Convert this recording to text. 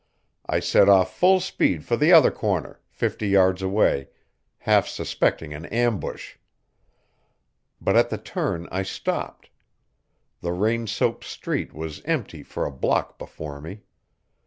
I set off full speed for the other corner, fifty yards away, half suspecting an ambush. But at the turn I stopped. The rain soaked street was empty for a block before me.